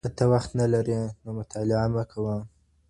که ته وخت نه لرې نو مطالعه مه کوه.